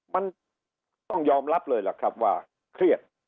มันต้องยอมรับเลยล่ะครับว่าเครียด